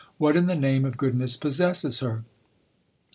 " What in the name of good ness possesses her